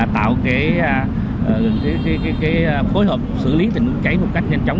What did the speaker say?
tạo phối hợp xử lý tình huống cháy một cách nhanh chóng